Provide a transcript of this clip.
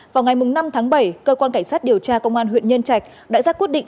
vào ngày năm tháng bảy cơ quan cảnh sát điều tra công an huyện nhân trạch đã ra quyết định